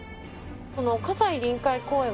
この西臨海公園